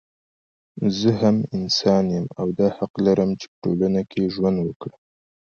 زه هم انسان يم او دا حق لرم چې په ټولنه کې ژوند وکړم